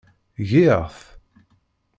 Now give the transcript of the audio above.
Giɣ-t.